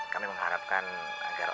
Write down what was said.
kami mengharapkan agar om dan tante aya